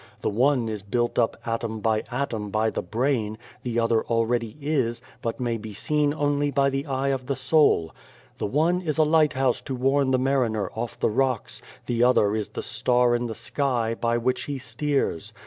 The one is built up atom by atom by the brain : the other already is, but may be seen only by the eye of the soul The one is a 93 The Face Beyond the Door lighthouse to warn the mariner off the rocks ; the other is the star in the sky, by which he steers.